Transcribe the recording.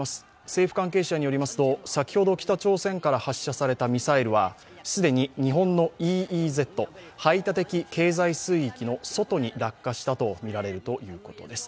政府関係者によりますと、先ほど北朝鮮から発射されたミサイルは既に日本のＥＥＺ＝排他的経済水域の外に落下したとみられるということです。